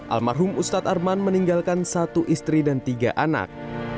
almarhum ustadz arman meninggalkan satu istri dan tiga anak